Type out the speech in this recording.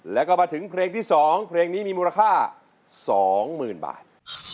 แล้วก็มาถึงเพลงที่๒เพลงนี้มีมูลค่า๒๐๐๐บาท